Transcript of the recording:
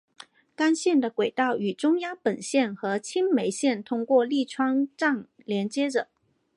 干线的轨道与中央本线和青梅线通过立川站连接着。